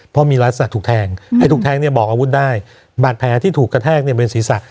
เพราะมีลักษณะถูกแทงไอ้ถูกแทงเนี่ยบอกอาวุธได้บาดแผลที่ถูกกระแทกเนี่ยเป็นศีรษะ